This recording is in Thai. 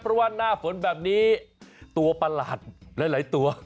เพราะว่าหน้าฝนแบบนี้ตัวประหลาดหลายตัว